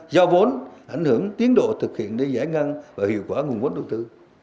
giao vốn ảnh hưởng tiến độ thực hiện để giải ngân và hiệu quả nguồn vốn đầu tư